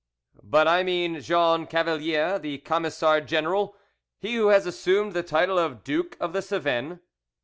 "But I mean Jean Cavalier, the Camisard general, he who has assumed the title of Duke of the Cevennes."